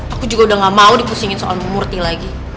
aku juga udah gak mau dipusingin soalmu murthy lagi